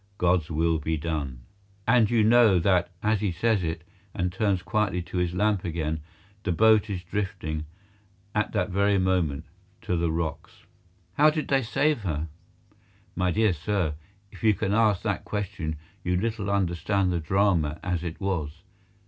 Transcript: God's will be done." And you know that as he says it and turns quietly to his lamps again, the boat is drifting, at that very moment, to the rocks. "How did they save her?" My dear sir, if you can ask that question you little understand the drama as it was.